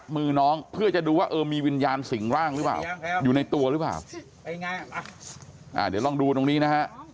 ไม่มีวิญญาณอะไรทั้งสิ้น